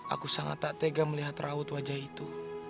aku sangat tak tega melihat raut wajah itu